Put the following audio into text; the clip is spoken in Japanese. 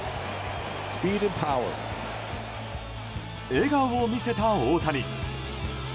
笑顔を見せた大谷。